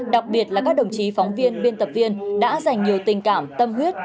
đặc biệt là các đồng chí phóng viên biên tập viên đã dành nhiều tình cảm tâm huyết